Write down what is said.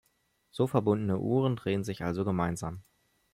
So verbundene Uhren drehen sich also gemeinsam.